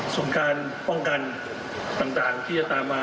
ส่วนการป้องกันต่างที่จะตามมา